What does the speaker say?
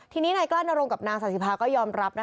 ทีนี้นายกล้านรงกับนางศาสิภาก็ยอมรับ